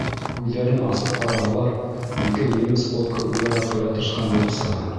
Күҙҙәрен асып ҡараһалар, ике немец полкы үҙ-ара ҡыйратышҡан булып сыға.